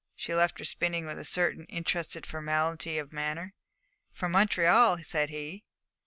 She left her spinning with a certain interested formality of manner. 'From Montreal,' said he.